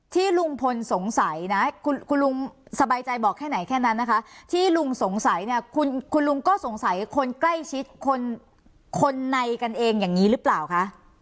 ที่ลุงพลสงสัยนะคุณลุงสบายใจบอกแค่ไหนแค่นั้นนะคะที่ลุงสงสัยเนี่ยคุณลุงก็สงสัยคนใกล้ชิดคนในกันเองอย่างนี้หรือเปล่าคะ